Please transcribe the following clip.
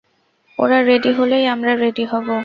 ওরা রেডি হলেই আমরা রেডি হবো।